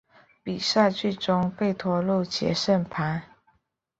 比赛最终被拖入决胜盘。